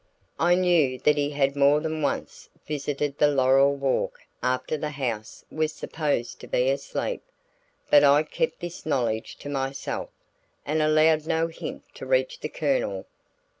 I knew that he had more than once visited the laurel walk after the house was supposed to be asleep; but I kept this knowledge to myself, and allowed no hint to reach the Colonel.